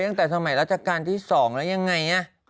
ตั้งแต่สมัยราชการที่๒แล้วยังไง